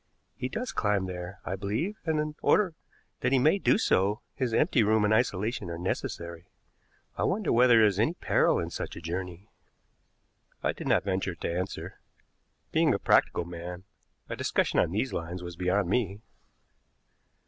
He does climb there, I believe, and, in order that he may do so, his empty room and isolation are necessary. I wonder whether there is any peril in such a journey?" I did not venture to answer. Being a practical man, a discussion on these lines was beyond me.